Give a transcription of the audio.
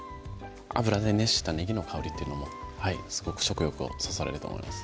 油で熱したねぎの香りというのもすごく食欲をそそられると思います